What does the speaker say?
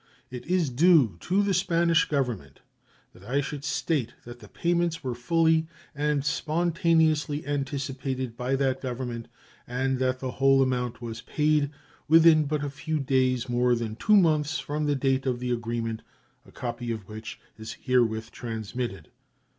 It is due to the Spanish Government that I should state that the payments were fully and spontaneously anticipated by that Government, and that the whole amount was paid within but a few days more than two months from the date of the agreement, a copy of which is herewith transmitted.